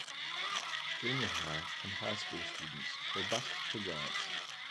Junior High and High School students were bused to Grants.